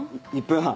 １分半。